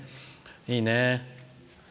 いいね。